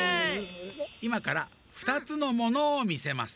いまからふたつのものをみせます。